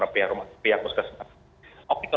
pihak rumah sakit